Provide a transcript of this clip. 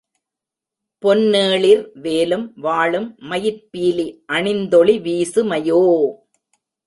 பொன்னேளிர் வேலும் வாளும் மயிற்பீலி அணிந்தொளி வீசு மையோ!